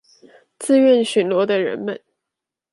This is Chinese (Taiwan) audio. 自願巡邏的人們